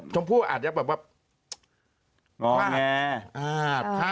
ชมพู่อาจจะแบบ